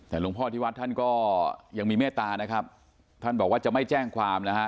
แต่หลวงพ่อที่วัดท่านก็ยังมีเมตตานะครับท่านบอกว่าจะไม่แจ้งความนะฮะ